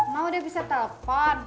mbak udah bisa telepon